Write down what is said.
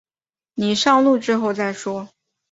你上路之后再说